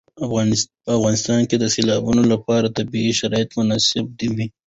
په افغانستان کې د سیلابونه لپاره طبیعي شرایط مناسب دي.